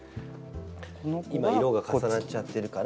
今色が重なっちゃってるから。